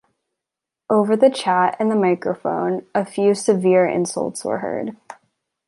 Over the chat and the microphone a few severe insults were heard.